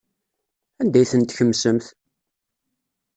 Anda ay tent-tkemsemt?